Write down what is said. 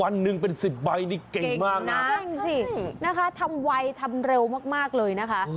วันหนึ่งเป็น๑๐ใบนี่เก่งมากนะคะทำไวทำเร็วมากเลยนะคะ